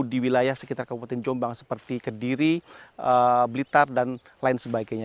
di wilayah sekitar kabupaten jombang seperti kediri blitar dan lain sebagainya